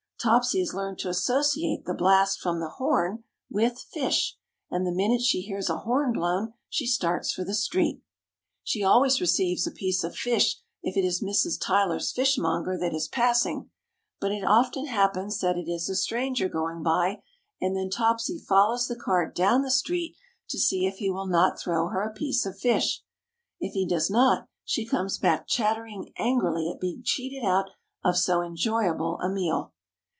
Topsy has learned to associate the blast from the horn with "fish," and the minute she hears a horn blown she starts for the street. She always receives a piece of fish if it is Mrs. Tyler's fish monger that is passing, but it often happens that it is a stranger going by and then Topsy follows the cart down the street to see if he will not throw her a piece of fish. If he does not, she comes back chattering angrily at being cheated out of so enjoyable a meal.